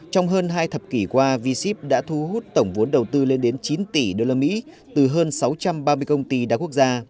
trong hơn hai thập kỷ qua v ship đã thu hút tổng vốn đầu tư lên đến chín tỷ usd từ hơn sáu trăm ba mươi công ty đa quốc gia